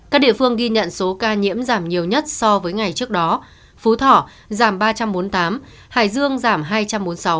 các địa phương ghi nhận số ca nhiễm giảm nhiều nhất so với ngày trước đó phú thỏ giảm ba trăm bốn mươi tám hải dương giảm hai trăm bốn mươi sáu vĩnh phúc giảm hai trăm một mươi một